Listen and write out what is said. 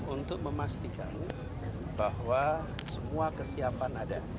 untuk memastikan bahwa semua kesiapan ada